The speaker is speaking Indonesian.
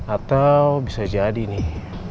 atau bisa jadi nih